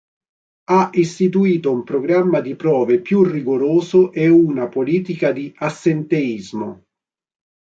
Ha istituito un programma di prove più rigoroso e una politica di assenteismo.